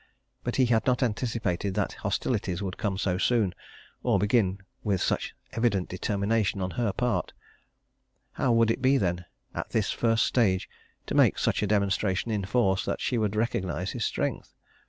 But he had not anticipated that hostilities would come so soon, or begin with such evident determination on her part. How would it be, then, at this first stage to make such a demonstration in force that she would recognize his strength?